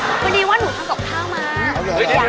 พี่ว่าหนูทั้งกลับข้าวมา